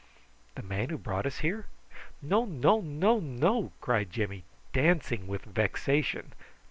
"The man who brought us here?" "No, no, no, no!" cried Jimmy, dancing with vexation.